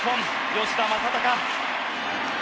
吉田正尚。